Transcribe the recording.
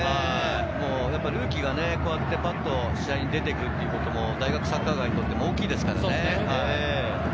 ルーキーが試合に出て行くということも大学サッカー界にとっては大きいですからね。